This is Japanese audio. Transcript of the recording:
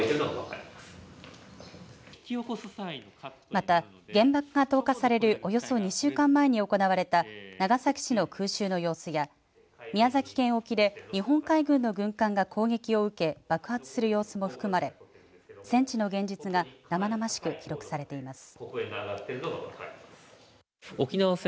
また原爆が投下されるおよそ２週間前に行われた長崎市の空襲の様子や宮崎県沖で日本海軍の軍艦が攻撃を受け爆発する様子も含まれ戦地の現実が生々しく記録されています。